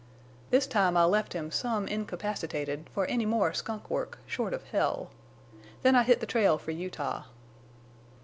This time I left him some incapacitated for any more skunk work short of hell. Then I hit the trail for Utah.